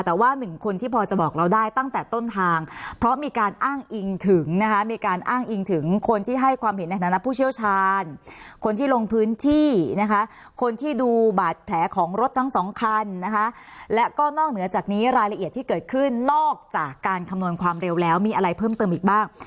แต่ว่าหนึ่งคนที่พอจะบอกเราได้ตั้งแต่ต้นทางเพราะมีการอ้างอิงถึงนะคะมีการอ้างอิงถึงคนที่ให้ความเห็นในฐานะผู้เชี่ยวชาญคนที่ลงพื้นที่นะคะคนที่ดูบาดแผลของรถทั้งสองคันนะคะและก็นอกเหนือจากนี้รายละเอียดที่เกิดขึ้นนอกจากการคำนวณความเร็วแล้วมีอะไรเพิ่มเติมอีกบ้าง